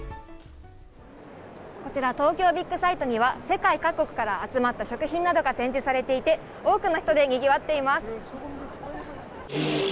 こちら、東京ビッグサイトには、世界各国から集まった食品などが展示されていて、多くの人でにぎわっています。